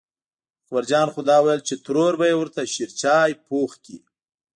اکبر جان خو دا وېل چې ترور به یې ورته شېرچای پوخ کړي.